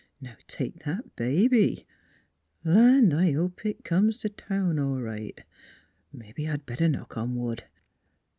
Now take that baby Land! I hope it comes t' town all right. ... Mebbe I'd better knock on wood."